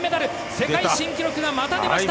世界新記録がまた出ました。